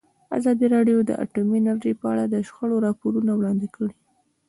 ازادي راډیو د اټومي انرژي په اړه د شخړو راپورونه وړاندې کړي.